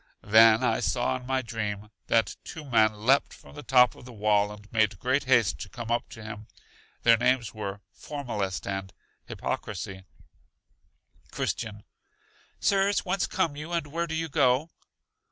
Then I saw in my dream that two men leapt from the top of the wall and made great haste to come up to him. Their names were Formalist and Hypocrisy. Christian. Sirs, whence come you, and where do you go?